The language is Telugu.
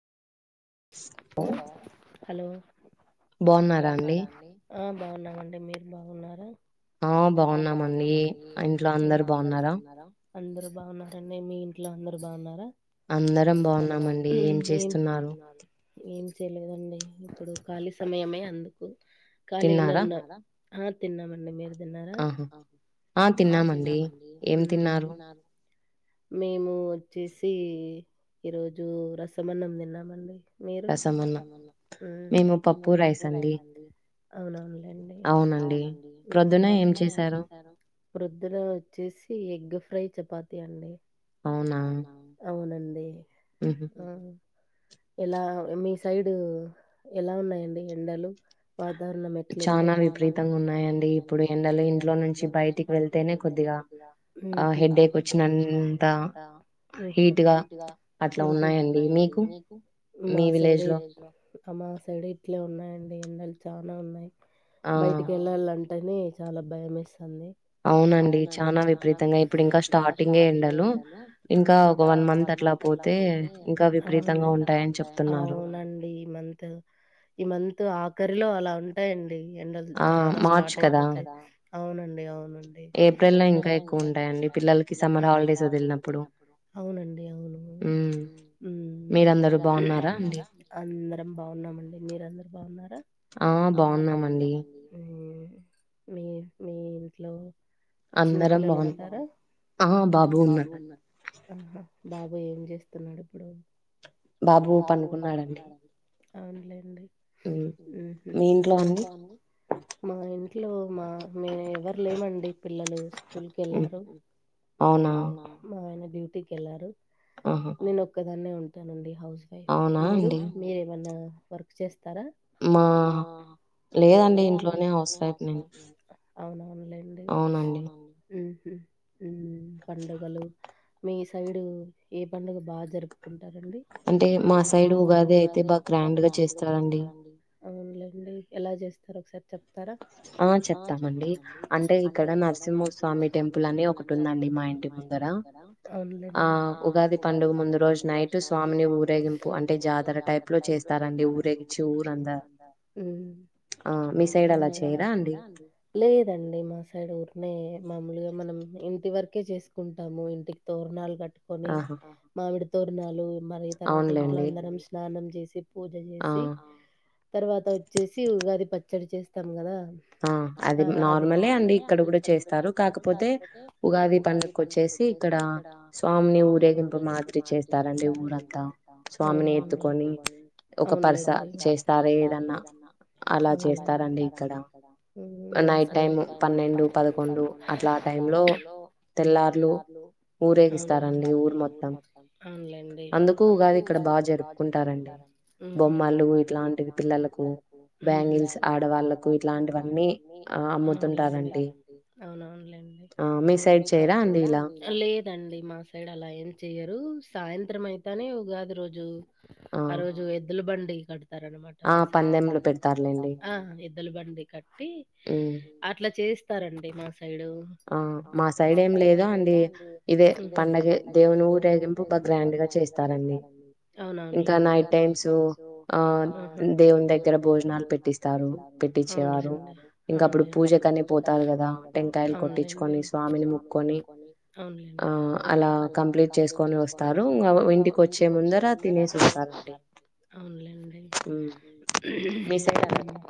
హలో హలో బాగున్నారా అండి ఆ బాగున్నామండి మీరు బాగున్నారా ఆ బాగున్నామండి ఇంట్లో అందరు బాగున్నారా అందరు బాగున్నారండి మీ ఇంట్లో అందరు బాగున్నారా అందరం బాగున్నామండి ఏం చేస్తున్నారు ఏం చేయలేదండి ఇప్పుడు ఖాళీ సమయమే అందుకు ఖాళీగానే ఉన్నా తిన్నామండి మీరు తిన్నారా ఆ తిన్నామండి హు ఏం తిన్నారు మేము వచ్చేసి ఈరోజు రసం అన్నము తిన్నామండి మీరు రసం అన్నం హు మేము పప్పు రైస్ అండి అవునవును అవునండి పొద్దున ఏం చేశారు ప్రొద్దున వచ్చేసి ఎగ్ ఫ్రై చపాతి అండి అవునా అవునండి డి అ ఎలా మీ సైడ్ ఎలా ఉన్నాయండి ఎండలు వాతావరణ ఎట్ల ఉంది చానా విపరీతంగా ఉన్నాయండి ఇప్పుడు ఎండల ఇంట్లో నుంచి బయటికి వెళ్ కొద్దిగా హెడేక్ వచ్చినంత ఉహు హీట్ గా ఉహు అట్లా ఉన్నాయండి నీకు మా సైడ్ మా సైడ్ ఇట్లే ఉన్నాయండి ఎండలు చానా ఉన్నాయి బయటికి వెళ్ళాలంటేనే చాలా భయం ఏస్తావుంది అవునండి చనా విపరీతంగా ఇప్పుడు ఇంకా స్టార్టింగే ఎండలు ఇంకా ఒక వన్ మంత్ అట్లా పోతే ఇంకా విపరీతంగా ఉం ఇంకా ఉంటాయి అవునండి ఈ మంత్ ఈ మంత్ ఆఖరిలో అలా ఉంటాయండి ఎండలు చాలా స్టార్ట్ అయిపోతాయి అవునండి అవును ఏప్రిల్ లో ఇంకా ఎక్కువ ఉంటాయండి పిల్లలకి సమ్మర్ హాలిడేస్ వదిలినప్పుడు ఊమ్ మీరందరూ అందరం బాగున్నామండి మీరందరు బాగున్నారా ఆ బాగున్నామండి మీ మీ ఇంట్లో చిన్న పిల్లలు ఉంటార ఆ బాబు ఉన్నాడు బాబు పనుకున్నాడండి అవునులేండి ఉహు ఇంట్లో మా మేము ఎవరు లేమండి పిల్లలు స్కూల్ కి ఎళ్లారు మా ఆయన డ్యూటీకి ఎళ్లారు నేను ఒక్కదాన్నే ఉంటానండి హౌస్ వైఫ్ మీరు మీరేమన్నా వర్క్ చేస్త్ తార మా లేదండి ఇంట్లోనే హౌస్ వైఫ్ ఉ పండుగలు మీ సైడు ఏ పండుగ బాగా జరుపుకుం అంటే మా సైడ్ ఉగాది అయితే బాగా గ్రాండ్ గా చేస్తారండి అవునులేండి ఎలా జేస్తారు ఒకసారి చెప్తారా ఆ చెప్తామండి అంటే ఇక్కడ నరసింహస్వామి టెంపుల్ అని ఒకటి ఉందండి మా ఇంటి ముందర అవును లేండి ఆ ఉగాది పండుగ ముందు రోజున నైన్ నైటు స్వామిని ఊరేగింపు అంటే జాతర టైప్ లో చేస్తారండి ఊరేగించి ఊరంతా ఆ మిస్ లేదండి మా సైడ్ ఊరికి నే మామొలుగా మనం ఇంటి వరకే చేసుకుంటాము ఇంటికి తోరణాలు కట్టుకొని మామిడి తోరణాలు మరి తర్వాత ఇంట్లో అందరం స్నానం చేసి పూజ చేసి తర్వాత వచ్చేసి ఉగాది పచ్చడి చేస్తాం గదా ఆ అది నార్మలే అండి ఇక్కడ కూడా చేస్తారు కాకపోతే ఉగాది పండక్కొచ్చేస్ సి ఇక్కడ స్వామిని ఊరేగింపు మాదిరి చేస్తారం ఊరంతా స్వామిని ఎత్తుకొని ఒక పరుస చేస్తారే ఏదన్నా అలా చేస్తారండి ఇక్కడ ఊ మా సైడ్ ఊహు అవున్ లేండి అవున్ లేండి అందుకు ఉగాది ఇక్కడ బాగా జరుపుకుంటారు బొమ్మలు ఇట్లాంటివి పిల్లలకు బ్యాంగిల్స్ ఆడవాళ్ళలకు ఇట్లా అవున్ లేండి అవునవును లేండి లేదండి మా సైడ్ అలా ఏం చెయ్యరు సాయంత్రం అయితేనే ఉగాది రోజు ఆ రోజు ఎద్దులు బండి కడ కడతారనమాట మా సైడు ఆ ఎద్దల బండి కట్టి అట్లా చేస్తారండి మా ఆ మా సైడ్ ఏమి లేదు అండి ఇదే పండగ దేవుని ఊరేగింపు బాగ్ గ్రాండ్ అవునవును లేండి ఉహ భోజనాలు పెట్టిస్తారు పెట్టిచ్చేవారు ఇంకా అప్పుడు పూజ కని పోతారు కదా టెంకాయలు కొ లేండి అవున్ లేండి ఇంగ అవ్ ఇంటికి వచ్చే ముందర తినేసి వస్తారండి అవునులేండి ఉ